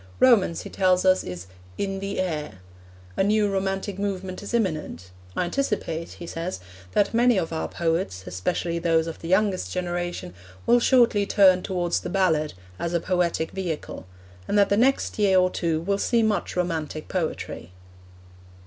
Romance, he tells us, is 'in the air.' A new romantic movement is imminent; 'I anticipate,' he says, 'that many of our poets, especially those of the youngest generation, will shortly turn towards the "ballad" as a poetic vehicle: and that the next year or two will see much romantic poetry.'